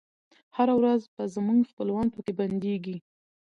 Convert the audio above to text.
هره ورځ به زموږ خپلوان پکښي بندیږی